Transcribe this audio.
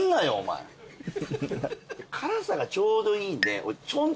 辛さがちょうどいいんで。